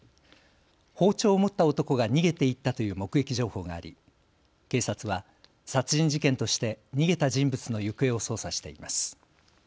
包丁を持った男が逃げていったという目撃情報があり警察は殺人事件として逃げた人物の行方を捜査しています。